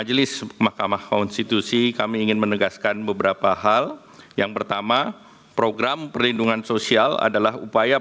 sebesar delapan belas satu triliun dan penyelenggaran program ini adalah bapanas